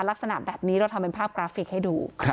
ลักษณะแบบนี้เราทำเป็นภาพกราฟิกให้ดู